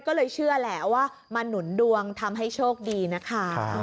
เค้าเลยเชื่อแล้วว่าม่านุ่นดวงทำให้โชคดีนะคะ